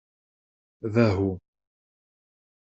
Bahu